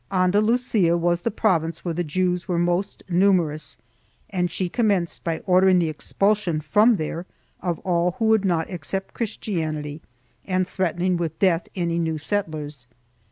Andalusia was the province where the Jews were most numerous and she commenced by ordering the expulsion from there of all who would not accept Christianity and threatening with death any new settlers.